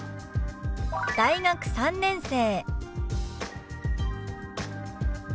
「大学３年生」。